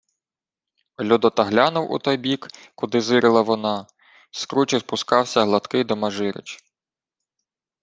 Людота глянув у той бік, куди зирила вона. З кручі спускався гладкий домажирич.